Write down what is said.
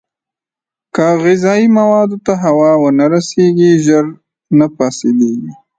که غذايي موادو ته هوا ونه رسېږي، ژر نه فاسېدېږي.